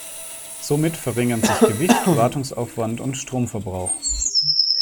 Somit verringern sich Gewicht, Wartungsaufwand und Stromverbrauch.